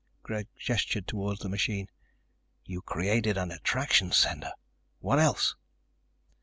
Greg gestured toward the machine. "You created an attraction center. What else?"